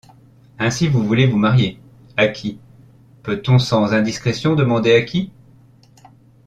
Ainsi vous voulez vous marier? à qui ? peut-on sans indiscrétion demander à qui ?